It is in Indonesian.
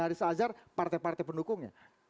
haris azhar partai partai pendukungnya